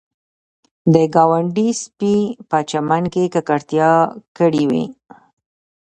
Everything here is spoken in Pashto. د ګاونډي سپي په چمن کې ککړتیا کړې وي